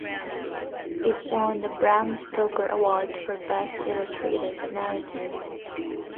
It won the Bram Stoker Award for Best Illustrated Narrative.